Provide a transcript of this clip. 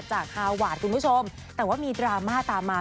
ฮาวาทคุณผู้ชมแต่ว่ามีดราม่าตามมา